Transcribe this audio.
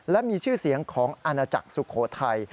และมีชื่อเสียงของอาณาจักรสุโขทัย